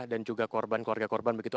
dan juga korban keluarga korban begitu